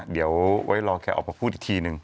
เดี๋ยวไว้รอแกออกมาพูดอีกทีนึง